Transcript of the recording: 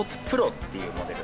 っていうモデル。